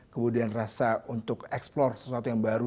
kemudian rasa untuk eksplor sesuatu yang baru